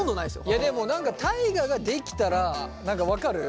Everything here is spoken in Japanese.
いやでも大我ができたら何か分かる？